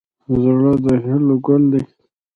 زړه د هیلو ګل دی.